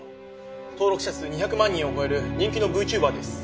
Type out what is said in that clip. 登録者数２００万人を超える人気のＶチューバーです。